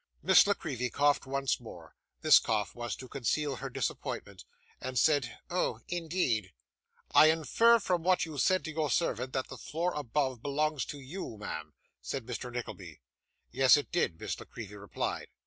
Miss La Creevy coughed once more this cough was to conceal her disappointment and said, 'Oh, indeed!' 'I infer from what you said to your servant, that the floor above belongs to you, ma'am,' said Mr. Nickleby. Yes it did, Miss La Creevy replied.